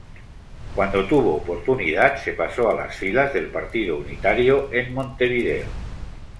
Cuando tuvo oportunidad se pasó a las filas del Partido Unitario en Montevideo.